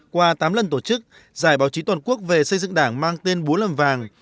qua tám lần tổ chức giải báo chí toàn quốc về xây dựng đảng mang tên búa lâm vàng